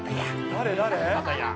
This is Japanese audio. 誰誰？